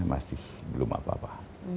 masih belum apa apa